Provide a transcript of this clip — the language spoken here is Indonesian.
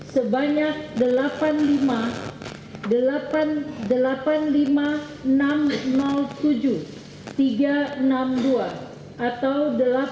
sebanyak delapan puluh lima enam ratus tujuh tiga ratus enam puluh dua atau delapan puluh lima enam ratus